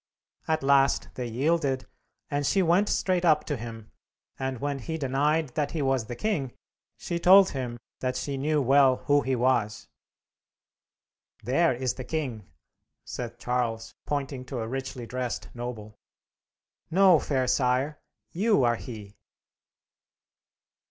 At last they yielded, and she went straight up to him, and when he denied that he was the king, she told him that she knew well who he was. "There is the king," said Charles, pointing to a richly dressed noble. "No, fair sire. You are he!"